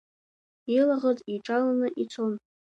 Илаӷырӡ иҿаланы ицон.